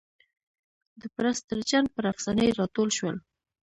د پرسټر جان پر افسانې را ټول شول.